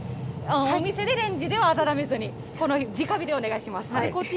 お店でレンジでは温めずに、この直火でお願いします。